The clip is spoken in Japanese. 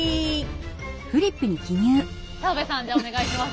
澤部さんじゃあお願いします。